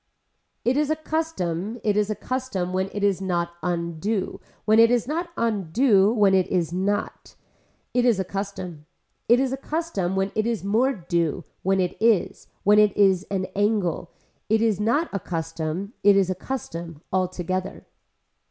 It is a custom, it is a custom when it is not undue, when it is not undue, when it is not. It is a custom. It is a custom when it is more due, when it is, when it is an angle, it is not a custom, it is a custom altogether.